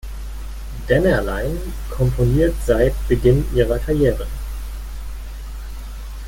Dennerlein komponiert seit Beginn ihrer Karriere.